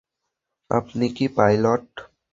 আপনি কি পাইলট?